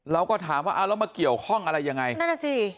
เราก็ถามว่าเอาแล้วมาเกี่ยวข้องอะไรยังไงนั่นน่ะสิ